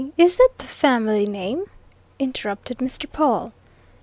Is that the family name?" interrupted Mr. Pawle.